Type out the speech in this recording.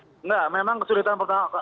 tidak memang kesulitan